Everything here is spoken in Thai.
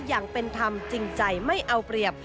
อย่างเป็นธรรมจริงใจไม่เอาเปรียบ